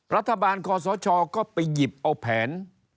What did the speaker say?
รัฐบาลคอสชก็ไปหยิบเอาแผน